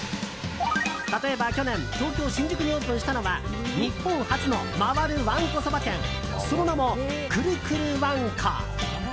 例えば、去年東京・新宿にオープンしたのは日本初の回るわんこそば店その名も、くるくるわんこ。